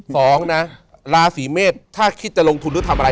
สองนะราศีเมษถ้าคิดจะลงทุนหรือทำอะไร